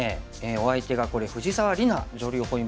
お相手がこれ藤沢里菜女流